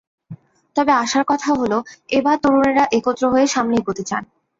তবে আশার কথা হলো, এবার তরুণেরা একত্র হয়ে সামনে এগোতে চান।